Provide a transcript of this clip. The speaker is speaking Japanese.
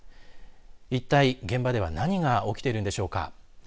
一体現場では何が起きているのでしょうか。